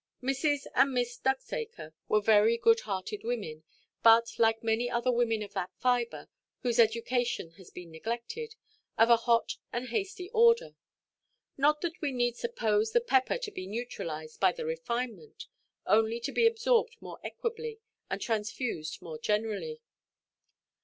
Mrs. and Miss Ducksacre were very good–hearted women, but, like many other women of that fibre, whose education has been neglected, of a hot and hasty order. Not that we need suppose the pepper to be neutralized by the refinement, only to be absorbed more equably, and transfused more generally.